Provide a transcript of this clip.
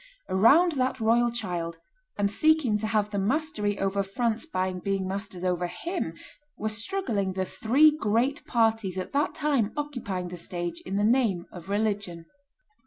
Around that royal child, and seeking to have the mastery over France by being masters over him, were struggling the three great parties at that time occupying the stage in the name of religion.